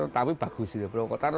tapi bagus sih provokator